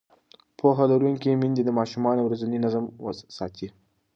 پوهه لرونکې میندې د ماشومانو ورځنی نظم ساتي.